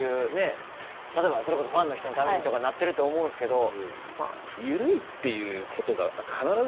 例えばそれこそファンの人のためにとかなってると思うんすけど。